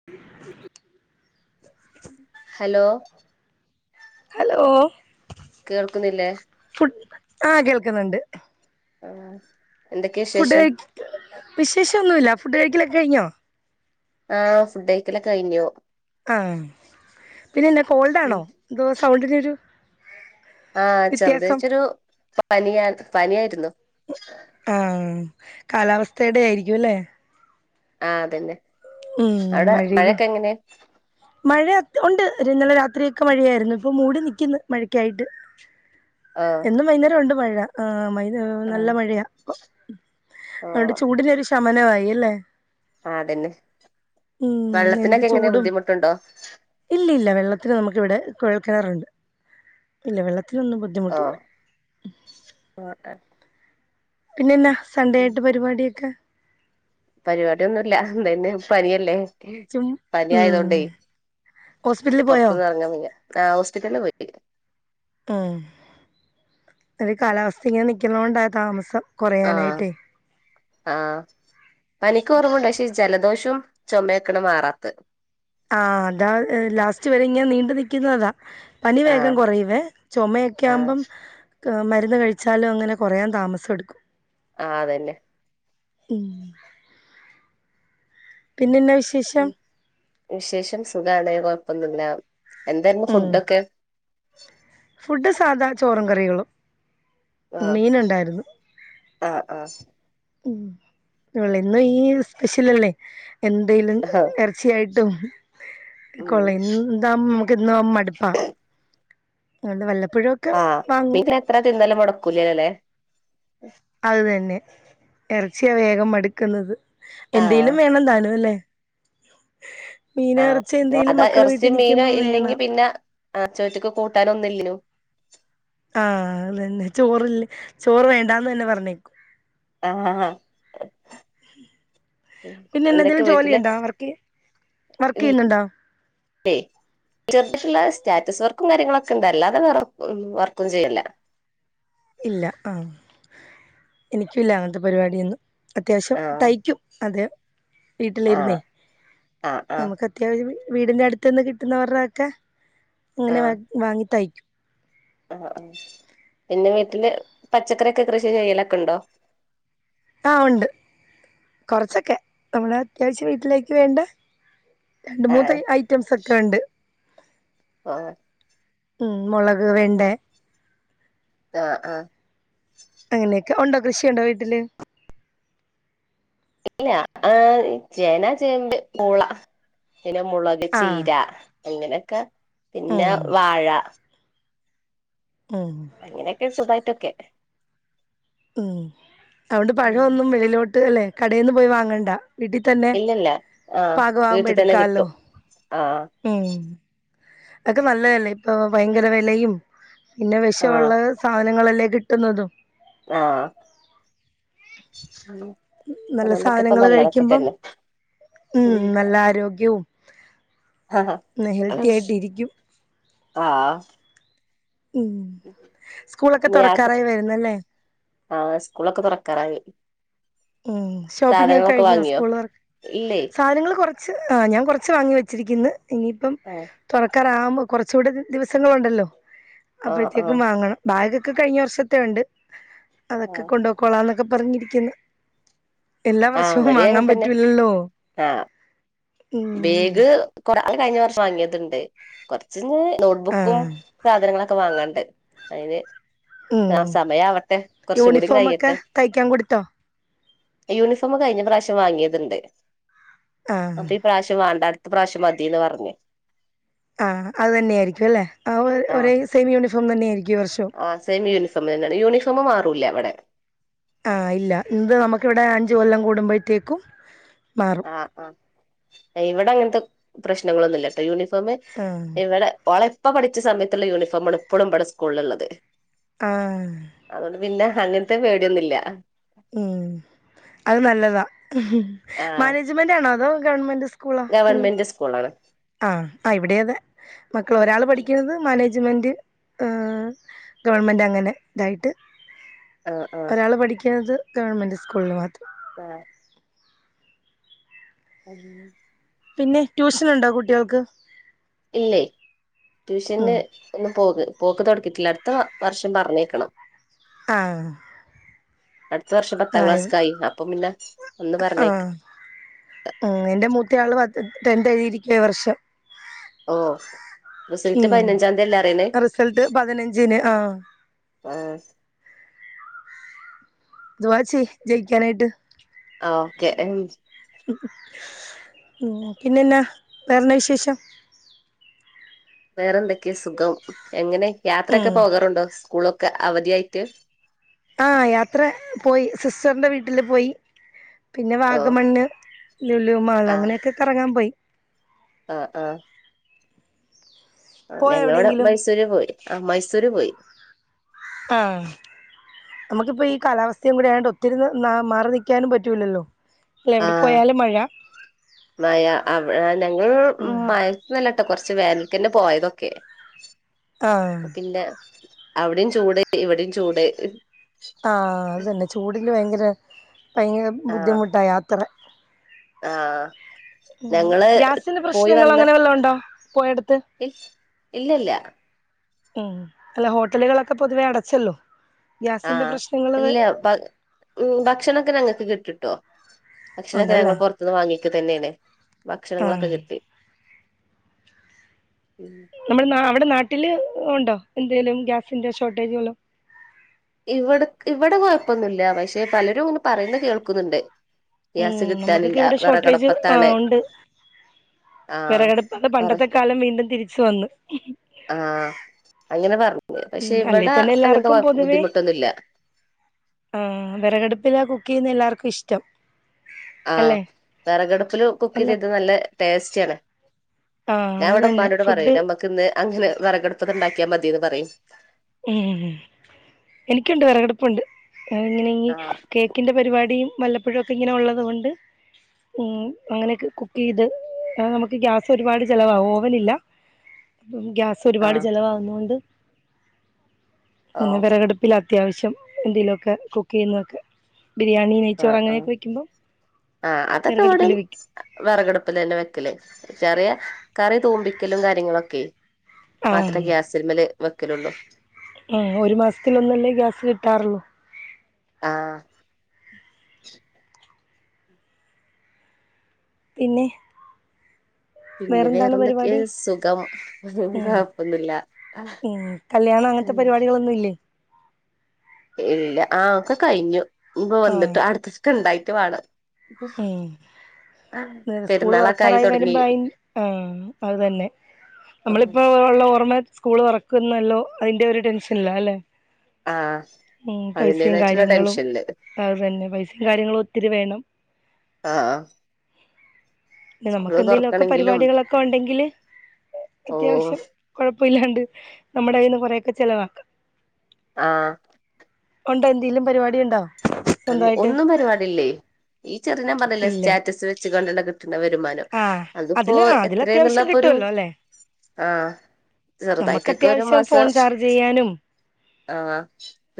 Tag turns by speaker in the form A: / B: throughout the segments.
A: [inaudible]
B: Hello
A: hello
B: കേൾക്കുന്നില്ലേ
A: ഫു ആഹ് കേൾക്കുന്നുണ്ട്
B: ആഹ് എന്തൊക്കെ
A: ഫുഡ്
B: വിശേഷം
A: കഴി വിശേഷം ഒന്നുല്ല ഫുഡ് കഴിക്കലൊക്കെ കഴിഞ്ഞോ
B: ആഹ് ഫുഡ് കഴിക്കൽ കഴിഞ്ഞു
A: ആഹ് പിന്നെന്ന കോൾഡ് ആണോ എന്തോ സൗണ്ടിന് ഒരു
B: ആഹ് ചെറുതച്ചൊരു പനിയ പനിയായിരുന്നു
A: ആഹ് കാലാവസ്ഥയുടെ ആയിരിക്കും അല്ലേ
B: ആഹ് അതന്നെ
A: ഉം
B: അവിടെ
A: മഴയും
B: മഴയൊക്കെ എങ്ങനെ
A: മഴ ക്കെ ഉണ്ട് ഇന്നലെ രാത്രിയൊക്കെ മഴയായിരുന്നു ഇപ്പൊ മൂടി നിക്കുന്നു മഴക്കായിട്ട്
B: ആഹ്
A: ഇന്ന് വൈകുന്നേരം ഉണ്ട് മഴ ആഹ് നല്ല
B: ആഹ്
A: മഴയാ അതോണ്ട്
B: ഓഹ്
A: ചൂടിനൊരു ശമനമായി അല്ലേ
B: ആഹ് അതന്നെ
A: ഉം എന്ത്
B: വെള്ളത്തിനൊക്കെ എങ്ങനെ
A: ചൂടും
B: ബുദ്ധിമുട്ടുണ്ടോ
A: ഇല്ല ഇല്ല വെള്ളത്തിന് നമുക്കിവിടെ കുഴൽക്കിണറുണ്ട് ഇല്ല വെള്ളത്തിനൊന്നും ബുദ്ധി
B: ആഹ് ആഹ്
A: പിന്നെന്നാ സൺഡേ ആയിട്ട് പരിപാടിയൊക്കെ
B: പരിപാടി ഒന്നുല്ല ഇതന്നെ പനിയല്ലേ
A: ചും
B: പനി
A: ഉം
B: ആയതോണ്ടേ
A: ഹോസ്പിറ്റലിൽ പോയോ
B: പുറത്തന്ന് ഇറങ്ങാ വയ്യ ആഹ് ഹോസ്പിറ്റലിൽ പോയി
A: ആഹ് ഈ കാലാവസ്ഥങ്ങെനെ നിൽക്കുന്ന കൊണ്ടാ താമസം
B: ആഹ്
A: കുറയാനായിട്ടേ
B: ആഹ് പനിക്ക് കുറവുണ്ട് പക്ഷേ ജലദോഷവും ചുമയക്കണ മാറാത്തത്
A: ആഹ് അതാ ലാസ്റ്റ് വരെ ഇങ്ങ് നീണ്ടു നിൽക്കുന്നതാ പനി
B: ആഹ്
A: വേഗം കുറയുവേ ചുമയൊക്കെ
B: ആഹ്
A: ആവുമ്പം മരുന്ന് കഴിച്ചാലും അങ്ങനെ കൊറയാൻ താമസടുക്കും
B: ആഹ് അതെന്നെ
A: ഉം പിന്നന്നാ വിഷേശം
B: വിശേഷം സുഖാണ് കൊഴപ്പൊന്നുല്ല എന്തായിരുന്നു
A: ഉം
B: ഫുഡൊക്കെ
A: ഫുഡ് സാധാ ചോറും കറികളും
B: ആഹ്
A: മീനുണ്ടായിരുന്നു
B: ആഹ്
A: ഉം ഉള്ള ഇന്നും
B: ആഹ്
A: ഈ സ്പെഷ്യലല്ലേ എന്തെലും
B: ആഹ്
A: എർച്ചിയായിട്ടും കൊള്ള
B: ഉം
A: എന്താ മ്മക്ക് ഇന്ന് മടുപ്പാ അതണ്ട് വല്ലപ്പോഴും
B: ആഹ് പിന്നെ എത്ര തിന്നലും മുടക്കൂലല്ലേ
A: അത് തന്നെ ഇറച്ചിയാ വേഗം മടുക്കുന്നത്
B: ആഹ്
A: എന്തെലും വേണം താനും അല്ലേ മീനോ ഇറച്ചിയോ
B: ആഹ്
A: എന്തേലും
B: അതാ
A: മക്കള് വീട്ടിൽ
B: ഇറച്ചിയും
A: നിക്കുമ്പം
B: മീനും ഇല്ലെങ്കി
A: വേണം
B: പിന്നെ ആ ചോറ്റക്ക് കൂട്ടാനന്നുംല്ലനും
A: ആഹ് അതന്നെ ചോറില്ലേ ചോറ് വേണ്ടാന്ന് തന്നെ പറഞ്ഞേക്കും
B: ആഹ്
A: പിന്നെ
B: എന്തൊക്കെ
A: എന്തെന്തെങ്കിലും ജോലി
B: വീട്ടില്
A: ഉണ്ടോ വർക്ക് വർക്ക്യ്യുന്നുണ്ടോ
B: ഏയ് ചെർതുള്ള സ്റ്റാറ്റസ് വർക്കും കാര്യങ്ങളൊക്കെ ഇണ്ടല്ലാതെ വേറെ വർക്കൊന്നും ചെയ്യല്ല
A: ഇല്ല ആഹ് എനിക്കുംല്ല അങ്ങനത്തെ പരിപാടിയൊന്നും അത്യാവശ്യം
B: ആഹ്
A: തയ്ക്കും അതെ വീട്ടിലിരുന്നേ
B: ആഹ് ആഹ് ആഹ്
A: നമുക്ക് അത്യാവശ്യം വീടിന്റെ അടുത്ത് അട്ത്ത്ന്ന് കിട്ടുന്നവരുടെയൊക്കെ അങ്ങനെ വ വാങ്ങി തയ്ക്കും
B: ആഹ് ആഹ് പിന്നെ വീട്ടില് പച്ചക്കറിയൊക്കെ കൃഷി ചെയ്യലൊക്കെണ്ടോ
A: ആഹ് ഉണ്ട് കൊറച്ചൊക്കെ നമ്മളെ അത്യാവിശ്യം വീട്ടിലേക്ക് വേണ്ടെ രണ്ട് മൂന്ന്
B: ആഹ്
A: തൈ ഐറ്റംസൊക്കെ ഉണ്ട്
B: ആഹ്
A: ഹ്മ്മ് മുളക്, വെണ്ടേ
B: ആഹ് ആഹ്
A: അങ്ങനെയൊക്കെ ഉണ്ടോ കൃഷിയുണ്ടോ വീട്ടില്
B: ഇല്ല ആഹ് ചേനാ, ചേമ്പ്, പൂള പിന്നെ മുളക് പിന്നെ
A: ആഹ്
B: ചീര അങ്ങനെക്കെ പിന്നെ
A: ഉം
B: വാഴ
A: ആഹ്
B: അങ്ങനെയൊക്കെ സുഖായിട്ടൊക്കെ
A: ഹ്മ്മ് അതോണ്ട്
B: ഉം.
A: പഴൊന്നും വെളിയിലോട്ട് അല്ലെ കടയിന്ന് പോയി വാങ്ങേണ്ട വീട്ടിതന്നെ
B: ഇല്ലല്ല ആഹ്
A: പാകവാകുമ്പോ
B: വീട്ടിൽ തന്നെ
A: എടുക്കാല്ലോ
B: കിട്ടും ആഹ്
A: ഏഹ്, അതൊക്കെ നല്ലേയല്ലേ ഇപ്പൊ ഭയങ്കര വെലയും പിന്നെ
B: ആഹ്
A: വെഷവുള്ളെ സാനങ്ങളല്ലേ കിട്ടുന്നതും
B: ആഹ് ആഹ്
A: നല്ല
B: അതോണ്ടൊക്കെ ഇപ്പം നല്ലതക്കെ തന്നെ
A: ഹ്മ്മ്
B: ഉം
A: നല്ല ആരോഗ്യും ആയിട്ട്
B: [unintelligible]
A: ഇരിക്കും
B: ആഹ്
A: ഹ്മ്മ്, സ്കൂളൊക്കെ
B: പിന്നെ യാത്ര
A: തൊറക്കാറായി വര്ന്നല്ലേ
B: ആഹ് സ്കൂളൊക്കെ തൊറക്കാറായി
A: ഹ്മ്മ്, ഷോപ്പിംഗ്ങ്ങൊക്കെ കഴിഞ്ഞോ
B: വാങ്ങിയോ
A: സ്കൂള് തൊറക്ക്
B: ഇല്ലേ
A: സാനങ്ങള് കൊർ ച്ച് ആഹ്‌ ഞാൻ കൊറച്ച് വാങ്ങി വെച്ചിര്ക്ക്ന്ന് ഇനിയിപ്പം
B: ആഹ്
A: തൊറക്കാറാവുമ്പോ കൊറച്ചുടെ ദിവസങ്ങളുണ്ടല്ലോ
B: ആഹ് ആഹ്
A: അപ്പഴ്ത്തേക്കും വാങ്ങണം ബാഗൊക്കെ കഴിഞ്ഞ വർഷത്തെ ഉണ്ട് അതൊക്കെ
B: ആഹ്
A: കൊണ്ടൊക്കോളാന്നൊക്കെ പറഞ്ഞിര്ക്ക്ന്ന് എല്ലാ
B: ആഹ്
A: വർഷവും
B: ഇവിടെയും
A: വാങ്ങാൻ
B: അങ്ങനെ തന്നെ
A: പറ്റൂല്ലല്ലോ
B: ആഹ് ബേഗ് കൊറ അവന് കഴിഞ്ഞ വർഷം വാങ്ങിയത്ണ്ട് കൊറച്ച്ഞ്ഞ് നോട്ട്ബുക്കും
A: ആഹ്
B: സാധനങ്ങളൊക്കെ വാങ്ങാൻണ്ട് അയിന്
A: ഉം
B: ആഹ് സമയാവട്ടെ കൊർച്ചും കൂടി
A: യൂണിഫോം ഒക്കെ
B: കഴിയട്ടെ
A: തയ്ക്കാൻ കൊടുത്തോ
B: യൂണിഫോംമ് കഴിഞ്ഞ പ്രാവശ്യം വാങ്ങിയത്ണ്ട്
A: ആഹ്
B: അപ്പം ഈ പ്രാവശ്യം വാണ്ട അട്ത്ത പ്രാവശ്യം മതിന്ന് പറഞ്ഞ്
A: ആഹ് അത് തന്നെയായിരിക്കും അല്ലേ, ആഹ് ഒ ഒര് സെയിം യൂണിഫോം തന്നെ ആയായിരിക്കും. ഈ വർഷം
B: ആഹ് സെയിം യൂണിഫോം തന്നെയാണ്. യൂണിഫോം മാറൂല്ല ഇവടെ
A: ആഹ് ഇല്ല, ഇത് നമുക്ക് ഇവിടെ അഞ്ച് കൊല്ലം കൂടുമ്പോഴ്ത്തേക്കും മാ
B: ആഹ് ആഹ്, ഇവടൻങ്ങൻത്തെ പ്രശ്നങ്ങളൊന്നുല്ലട്ടോ യൂണിഫോംമ്
A: ആഹ്
B: ഇവടെ ഓളെ ഇപ്പ പഠിച്ച സമയത്ത്ള്ള യൂണിഫോംമാണ് ഇപ്പളും ഇവടെ സ്കൂള്ല് ഇള്ളത്
A: ആഹ്
B: അതോണ്ട് പിന്നെ അങ്ങൻത്തെ പേടിയൊന്നുല്ല
A: ഹ്മ്മ് അത് നല്ലതാ,
B: ആഹ്
A: മാനേജ്മെന്റ് ആണോ അതോ ഗവൺമന്റ് സ്
B: ഗവൺമെന്റ് സ്കൂളാണ്.
A: ആഹ്, ആഹ് ഇവടിയതെ, മക്കള് ഒരാള് പഠിക്ക്ന്നത് മാനേജ്മെന്റ് ആഹ് ഗവൺമെന്റ് അങ്ങനെ ഇതായിട്ട്.
B: ആഹ് ആഹ്
A: ഒരാള് പഠിക്ക്ന്നത് ഗവൺമെൻ്റ് സ്കൂളിൽ മാത്
B: ആഹ്. [unintelligible]
A: പിന്നെ ട്യൂഷന്ണ്ടോ കുട്ടികൾക്ക്?
B: ഇല്ലേ.
A: ഉം
B: ട്യൂഷന്ന് ഒന്നും പോക് പോക്ക് തൊട്ക്കീട്ടില്ല. അടുത്ത വർഷം പറഞ്ഞയ്ക്കണം.
A: ആഹ്.
B: അടുത്ത വർഷം പത്താം
A: ആഹ്
B: ക്ലാസ്സ്ക്കായി. അപ്പം പിന്നെ ഒന്ന് പറഞ്ഞയ്ക്
A: ആഹ് ഉം എന്റെ മൂത്തയാള് പത്ത്, ടെൻത്ത് എഴുതിയിരിക്ക്യാ ഈ വർഷം.
B: ഓഹ് റിസൽറ്റ് പതിനഞ്ചാംതി അല്ലേ അറിണേ.
A: റിസൽട്ട് പതിനഞ്ചിന്. ആഹ്.
B: ഏഹ്.
A: ദുആ ചെയ് ജയിക്കാനായിട്ട്.
B: ആഹ് ഓക്കെ.
A: ഉം പിന്നെന്നാ വേറെന്താ വിശേഷം?
B: വേറെന്തെക്കെ സുഖം. എങ്ങനെ
A: ഉം
B: യാത്രൊക്കെ പോകാറുണ്ടോ? സ്കൂളൊക്കെ അവധിയായിട്ട്.
A: ആഹ് യാത്ര പോയി, സിസ്റ്ററിന്റെ വീട്ടിൽ പോയി. പിന്നെ
B: ഓ
A: വാഗമണ്ണ്, ലുലു മാൾല് അങ്ങനെയൊക്കെ കറങ്ങാൻ പോയി.
B: ആഹ്, ആഹ്. ആഹ്
A: പോയോ
B: ഞങ്ങള് ഇവടെ
A: എവിടെയെങ്കിലും
B: മൈസൂര് പോയി, ആഹ് മൈസൂര് പോയി.
A: ആഹ്. നമുക്കിപ്പോ ഈ കാലാവസ്ഥയും കൂടി ആയോണ്ട് ഒത്തിരി ന്ന് ന്നാ മാറി നിക്ക്യാനും പറ്റൂല്ലല്ലോ.
B: ആ
A: എവിടെ പോയാലും മഴ.
B: മഴ. അവ് ആഹ് ഞങ്ങൾ
A: ഉം
B: മഴ ത്തൊന്നു അല്ലട്ടോ. കൊറച്ച് വേനൽക്കന്നെ പോയതൊക്കെ.
A: ആഹ്
B: അപ്പൊ പിന്നെ അവിടി ചൂട്, ഇവടിം ചൂട്.
A: ആഹ് അത് തന്നെ ചൂടില് ഭയങ്കര, ഭയങ്കര
B: ആ
A: ബുദ്ധിമുട്ടാ യാത്ര.
B: ആഹ്.
A: ഉം
B: ഞങ്ങള്
A: ഗ്യാസിന്റെ
B: പോയി
A: പ്രശ്നങ്ങളോ
B: വന്ന്
A: അങ്ങനെ വല്ലോം ഉണ്ടോ പോയടുത്ത്
B: ഇ. ഇല്ലല്ല.
A: ഉം അല്ല ഹോട്ടലുകളൊക്കെ പൊതുവേ അടച്ചല്ലോ. ഗ്യാസിന്റെ
B: ആഹ്.
A: പ്രശ്നങ്ങള്
B: ഇല്ലാ പ ഉം. ഭക്ഷണൊക്കെ ഞങ്ങൾക്ക് കിട്ട് ട്ടോ. ഭക്ഷണൊക്കെ ഞങ്ങൾ
A: ഉണ്ടല്ലേ
B: പൊറത്തുന്ന് വാങ്ങീക്ക തന്നേണ്. ചെയ്തത്. ഭക്ഷണങ്ങളൊക്കെ
A: ആഹ്
B: കിട്ടി. ഉം
A: നമ്മൾ നാ അവിടെ നാട്ടില് ഉണ്ടോ, എന്തെലും ഗ്യാസിന്റെ ഷോർട്ടേജ് വല്ലതും.
B: ഇവട്ക് ഇവടെ കൊയപ്പൊന്നുല്ല പശെ പലരും ഇങ്ങനെ പറയുന്ന കേൾക്കുന്നുണ്ട്. ഗ്യാസ്
A: ഊംഹ് നമുക്കൊക്കെ
B: കിട്ടാനില്ല
A: ഇവിടെ ഷോട്ടേജ്
B: വിറകടപ്പത്താണ്
A: ആഹ് ഉണ്ട്.
B: ആഹ്
A: വെറകടപ്പ് അത്
B: പറ
A: പണ്ടത്തെകാലം വീണ്ടും തിരിച്ചു വന്ന്.
B: ആഹ് അങ്ങനെ പർഞ്ഞ്
A: ഉം
B: പഷെ ഇവട
A: അല്ലേ തന്നെ
B: അങ്ങൻത്തെ
A: എല്ലാർക്കും
B: കൊഴപ്
A: പൊതുവേ
B: ബുദ്ധിമുട്ടൊന്നുല്ല.
A: ആഹ് വെറകടുപ്പിലാ കുക്കെയ്യുന്നെ എല്ലാർക്കും ഇഷ്ടം.
B: ആഹ്
A: അല്ലെ?
B: വെറകടുപ്പില് കുക്ക്
A: അല്ല
B: ചെയ്തിട്ട് നല്ല ടേസ്റ്റാണ്.
A: ആഹ്
B: ഞാ
A: അത്
B: ഇവടെ
A: തന്നെ
B: ഉമ്മാനോട്
A: ഫുഡ്
B: പറയും നമ്മക്കിന്ന് അങ്ങനെ വെറകടുപ്പ്ന്ന് ഇണ്ടാക്കിയാ മതീന്ന് പറയും.
A: ഉംഹ്. എനിക്കുണ്ട് വെറകടപ്പുണ്ട് അതിങ്ങനെ ഇനി
B: ആഹ്
A: കേ ക്കിന്റെ പരിപാടിയും വല്ലപ്പോഴൊക്കെ ഇങ്ങനെ ഒള്ളത് കൊണ്ട് ഉം അങ്ങനെയൊക്കെ കുക്കെയ്ത് ആഹ് നമ്മക്ക് ഗ്യാസൊരുപാട് ചെലവാവും. ഓവനില്ല അപ്പം ഗ്യാസ് ഒരുപാട്
B: ആഹ്
A: ചെലവാവുന്നോണ്ട്
B: ഓ
A: പിന്നെ വെറകടുപ്പിലാ അത്യാവശ്യം എന്തെലൊക്കെ കുക്കെയ്യുന്നൊക്കെ. ബിരിയാണി നെയ്ച്ചോറ്
B: ആഹ് ആഹ്
A: അങ്ങനെയൊക്കെ വെക്കുമ്പോ വെറക് അടപ്പില് വെക്കും
B: വെറക് അടുപ്പിലന്നെ വെക്കല് ചെറിയ കറി തൂമ്പിക്കലും കാര്യങ്ങളൊക്കെ മാത്രേ
A: ആഹ്
B: ഗ്യാസിൽമല് വെക്കലൊള്ളൂ
A: ഉം ഒരു മാസത്തില് ഒന്നല്ലേ ഗ്യാസ് കിട്ടാറൊള്ളൂ
B: ആഹ്
A: പിന്നെ?
B: പിന്നെ വേറെ
A: വേറെന്താണ്
B: എന്തൊക്കെയ
A: പരിപാടി
B: സുഖം എന്താ
A: ഉം
B: കൊഴപ്പൊന്നുല്ല
A: ഉം കല്യാണം അങ്ങനത്തെ പരിപാടികളൊന്നും ഇല്ലേ?
B: ഇല്ല ആഹ് ഒക്കെ കഴിഞ്ഞു ഇഞ്ഞ്പ്പൊ
A: ആഹ്
B: വന്നിട്ട് അടുത്തതൊക്കെ ഇണ്ടായിട്ട് വാണം
A: ഉം സ്കൂള്
B: പെരുന്നാളൊക്കെ ആയി
A: തൊറക്കാറായി
B: തുടങ്ങി
A: വരുമ്പോ അയിന് ആഹ് അതുതന്നെ നമ്മളിപ്പോ ഒള്ള ഓർമ്മ സ്കൂള് തൊറക്കുന്നല്ലോ അയിന്റെ ഒരു ടെൻഷൻല്ല അല്ലെ?
B: ആഹ്
A: ഉം പൈസയും
B: അതിന്റേതായിട്ടുള്ള
A: കാര്യങ്ങളും
B: ടെൻഷനില്
A: അത് തന്നെ പൈസയും കാര്യങ്ങളും ഒത്തിരി വേണം
B: ആഹ് ആഹാ
A: പിന്നെ നമുക്ക് എന്തേലും ഒക്കെ
B: തുറക്കണെങ്കിലും
A: പരിപാടികളൊക്കെ ഒണ്ടെങ്കില്
B: ഓഹ്
A: അത്യാവിശ്യം കെഴപ്പയില്ലാണ്ട് നമ്മുടെ കയ്യീന്ന് കൊറേ ഒക്കെ ചെലവാക്കാം
B: ആഹ്
A: ഒണ്ടോ എന്തേലും പരിപാടിയുണ്ടോ?
B: അതെ ഒന്നും പരിപാടിയില്ലേ ഈ ചെറിയ ഞാൻ പറഞ്ഞില്ലേ
A: ഇല്ല
B: സ്റ്റാറ്റസ് വെച്ച്ക്കാണ്ട് ഇണ്ടാക്കുന്ന കിട്ട്ണ വരുമാനം
A: ആഹ്
B: അതിപ്പൊ
A: അതില് ആ അതില്
B: എത്രേന്നുള്ളെ
A: അത്യാവശ്യം
B: ഇപ്പൊരു
A: കിട്ടുവല്ലോ അല്ലെ
B: ആഹ്
A: നമുക്ക്
B: ചെറുതായിട്ടൊക്കെ ഒരു
A: അത്യാവശ്യം
B: മാസം
A: ഫോൺ ചാർജ് ചെയ്യാനും
B: ആഹ്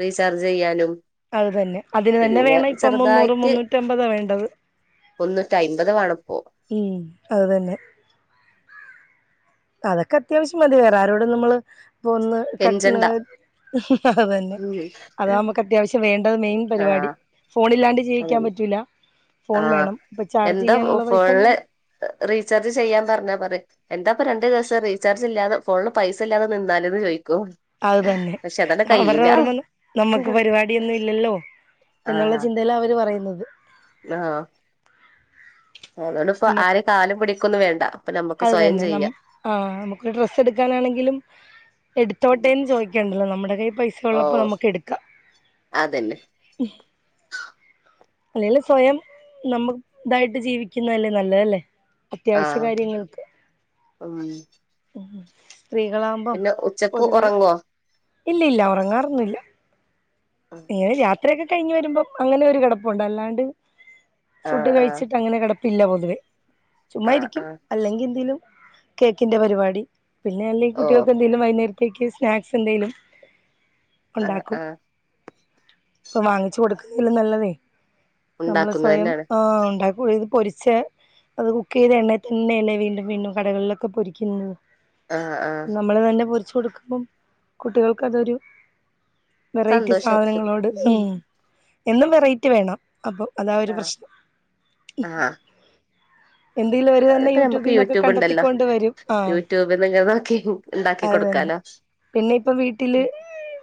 B: റീചാർജ് ചെയ്യാനും
A: അത് തന്നെ അതിന് തന്നെ
B: പിന്നെ
A: വേണയിപ്പൊ മുന്നൂറ് മുന്നൂറ്റി അമ്പതാ വേണ്ടത്
B: മുന്നൂറ്റിഅയിമ്പത് വാണപ്പൊ
A: ഉം അതുതന്നെ അതൊക്കെ അത്യാവിശ്യം മതി വേറെ ആരോടും നമ്മള് ഇപ്പൊ ഒന്ന് കട്ട്ണ്
B: കെഞ്ചണ്ട
A: അത് തന്നെ
B: ഉം
A: അതാ നമ്മക്ക് അത്യാവിശ്യം വേണ്ടത് മെയിൻ പരിപാടി
B: ആഹ്
A: ഫോണില്ലാണ്ട് ജീവിക്കാം
B: അതന്നെ
A: പറ്റൂല ഫോൺ
B: ആഹ്
A: വേണം അപ്പൊ ചാർജ്
B: എന്താ
A: ചെയ്യാനുള്ള പൈസൊന്നും
B: ഫോണില് റീചാർജ് ചെയ്യാൻ പറഞ്ഞാ പറയും എന്താപ്പൊ രണ്ട് ദിവസം റീചാർജില്ലാതെ ഫോൺല് പൈസ ഇല്ലാതെ നിന്നാല്ന്ന് ചോയിക്കും
A: അത് തന്നെ അവര്ടെ ഓർമ്മ നമ്മക്ക് പരിപാടിയൊന്നും ഇല്ലല്ലോ എന്നുള്ള ചിന്തയിലാ അവര് പറയുന്നത്
B: ങ്ങാഹ് അതോണ്ട്പ്പം
A: നമ്മക്ക്
B: ആരേം കാലു പിടിക്കൊന്നും വേണ്ട അപ്പൊ നമ്മുക്ക്
A: അത്
B: സ്വയം
A: തന്നെ നമ
B: ചെയ്യാം
A: ആഹ് നമുക്ക് ഡ്രസ്സ് ഇടുക്കാനാണെങ്കിലും
B: ഉം.
A: എടുത്തോട്ടേന്ന് ചോയിക്കണ്ടല്ലോ നമ്മുടെ കയ്യില് പൈസ
B: ഓ
A: ഒള്ളപ്പോ നമുക്ക് എടുക്കാ
B: അതന്നെ
A: ഉം അല്ലേലും സ്വയം നമ്മുക്ക് ഇതായിട്ട് ജീവിക്കുന്നയല്ലേ നല്ലത് അല്ലെ?
B: ആഹ് ഉം
A: ഉം സ്ത്രീകളാവുമ്പം
B: പിന്നെ ഉച്ചക്ക്
A: പൊതുവേ
B: ഉറങ്ങോ
A: ഇല്ലയില്ല ഒറങ്ങാറൊന്നും ഇല്ല ഇങ്ങനെ യാത്രയൊക്കെ കഴിഞ്ഞ് വരുമ്പം അങ്ങനെ ഒരു കെടപ്പുണ്ട് അല്ലാണ്ട്
B: ആ
A: ഫുഡ്
B: ആ
A: കഴിച്ചിട്ട് അങ്ങനെ കെടപ്പ ക്കത്തില്ല പൊതുവെ
B: ആ
A: ചുമ്മായിരിക്കും
B: ആ
A: അല്ലെങ്കി എന്തേലും കേക്കിന്റെ പരിപാടി പിന്നെ അലെങ്കി
B: ഓ
A: കുട്ടികൾക്ക് എന്തെങ്കിലും വൈകുന്നേരത്തേക്ക് സ്നാക്സ് എന്തേലും
B: ആഹ് ആഹ്
A: ഇപ്പം വാങ്ങിച്ചു കൊടുക്കുന്നതിലും നല്ലതെ നമ്മള്
B: ഉണ്ടാക്കുന്നത്
A: സ്വയം
B: തന്നെയാണ്
A: ആഹ് ഉണ്ടാ [unintelligible] പൊരിച്ചെ അത് കുക്കെയ്ത എണ്ണയി തന്നെയല്ലേ വീണ്ടും വീണ്ടും കടകളിലൊക്കെ പൊരിക്കുന്നത്
B: ആ
A: നമ്മള് തന്നെ പൊരിച്ചു കൊടുക്കുമ്പം കുട്ടികൾക്ക് അതൊരു മറ്റു
B: സന്തോഷായിട്ട്
A: സാധനങ്ങളോട് ഉം എന്നും വെറൈറ്റി വേണം അപ്പൊ അതാ ഒരു
B: ആ
A: പ്രശ്നം
B: ആ
A: എന്തെങ്കിലും അവരു തന്നെ
B: അതിപ്പോ നമുക്ക്
A: യൂട്യൂബിൽന്നൊക്കെ
B: യൂട്യൂബ് ഉണ്ടല്ലോ
A: കണ്ടെത്തിക്കൊണ്ട് വരും ആ
B: യൂട്യൂബിൽ നിന്ന് ഇങ്ങനെ നോക്കി ഉണ്ടാക്കി
A: അത് തന്നെ
B: കൊടുക്കാലോ
A: പിന്നെ ഇപ്പം വീട്ടില്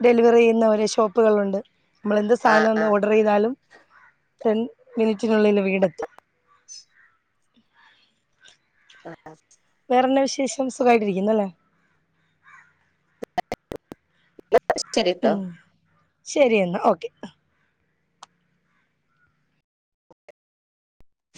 A: ഡെലിവറി ചെയ്യുന്ന ഓരോ ഷോപ്പുകളൾണ്ട് നമ്മൾ എന്ത്
B: ആ
A: സാധനം
B: ആ
A: ഒന്ന് ഓർഡർ ചെയ്താലും ടെൻ മിനിറ്റിനുള്ളില് വീടെത്തും
B: ആ [unintelligible]
A: വേറെന്ന വിശേഷം സുഖമായിട്ടിരിക്കുന്നു അല്ലേ ഉ
B: ശരിട്ടോ
A: ശരി എന്ന ഓക്കെ